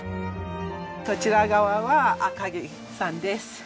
こちら側は赤城山です。